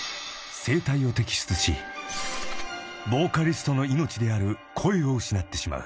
［ボーカリストの命である声を失ってしまう］